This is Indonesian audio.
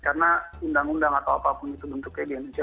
karena undang undang atau apapun itu bentuknya di indonesia